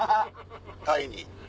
タイに。